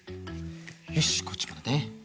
よしこっちもだね。